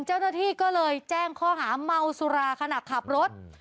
เจ้าหน้าที่ก็เลยแจ้งข้อหาเมาสุราขณะขับรถ